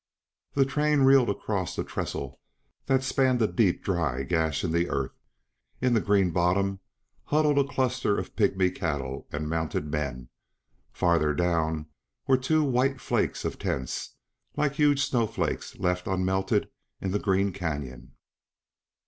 The train reeled across a trestle that spanned a deep, dry gash in the earth. In the green bottom huddled a cluster of pygmy cattle and mounted men; farther down were two white flakes of tents, like huge snowflakes left unmelted in the green canyon.